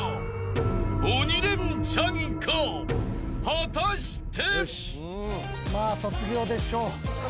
［果たして］